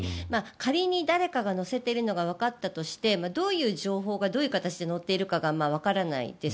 仮に誰かが載せているのがわかったとしてどういう情報がどういう形で載っているかがわからないです。